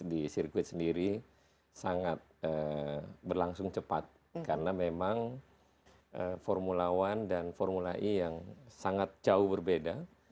di sirkuit sendiri sangat berlangsung cepat karena memang formula one dan formula e yang sangat jauh berbeda